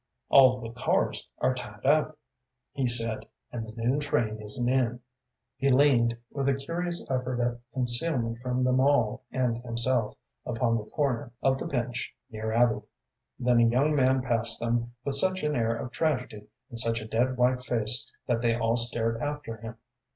"All the cars are tied up," he said, "and the noon train isn't in." He leaned, with a curious effort at concealment from them all and himself, upon the corner of the bench near Abby. Then a young man passed them, with such an air of tragedy and such a dead white face that they all stared after him.